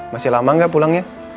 masih lama gak pulangnya